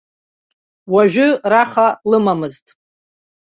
Уажәы раха лымамызт.